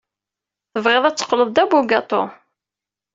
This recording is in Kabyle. Tebɣiḍ ad teqqleḍ d abugaṭu.